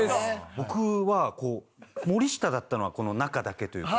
僕は森下だったのはこの中だけというか。